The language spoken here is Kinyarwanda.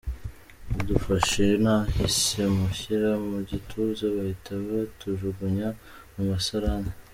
Badufashe nahise mushyira mu gituza bahita batujugunya mu musarane.